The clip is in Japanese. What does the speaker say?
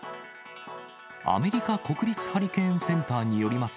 アメリカ国立ハリケーンセンターによります